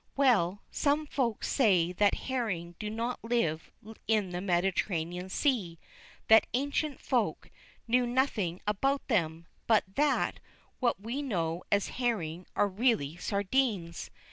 Well, some Folks say that herring do not live in the Mediterranean Sea, that ancient Folks knew nothing about them, but that what we know as herring are really sardines.